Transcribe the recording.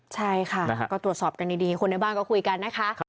ใช่ค่ะก็ตรวจสอบกันดีคนในบ้านก็คุยกันนะคะ